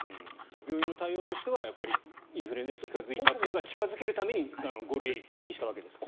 病院の対応としてはインフルエンザに近付いたというか近付けるために５類にしたんですよね。